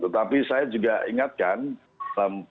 tetapi saya juga ingatkan paling tidak diingatkan